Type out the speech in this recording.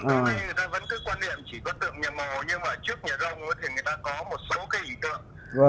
cái quan điểm chỉ có tượng nhà mồ nhưng mà trước nhà rông thì người ta có một số cái ảnh tượng